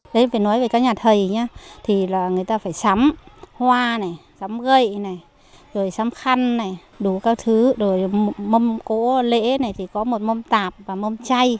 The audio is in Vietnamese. đến phải nói với các nhà thầy nhé thì là người ta phải sắm hoa này sắm gậy này rồi sắm khăn này đủ các thứ rồi mông cỗ lễ này thì có một mông tạp và mông chay